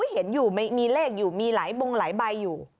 เห็นอยู่มีเลขอยู่มีหลายบงหลายใบอยู่